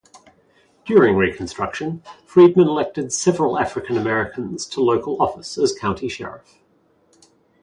During Reconstruction, freedmen elected several African Americans to local office as county sheriff.